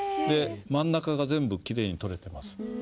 で真ん中が全部きれいに取れてます。